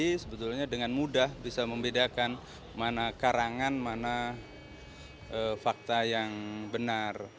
jadi sebetulnya dengan mudah bisa membedakan mana karangan mana fakta yang benar